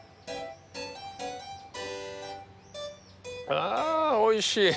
あおいしい。